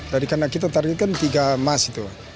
dari karena kita targetkan tiga emas itu